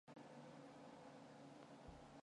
Бүгд орондоо орон хэвтэж эхнээсээ унтаж эхлэв.